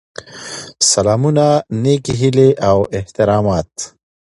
سلامونه نیکې هیلې او احترامات.